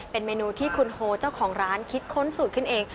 เป็นเมนูที่คุณโฮเจ้าของร้านคิดค้นสูตรขึ้นเอง